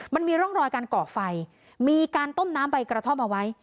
มันมีร่องรอยการเกาะไฟมีการต้มน้ำใบกระท่อมเอาไว้